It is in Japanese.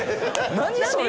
何それ？